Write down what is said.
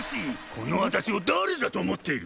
この私を誰だと思っている！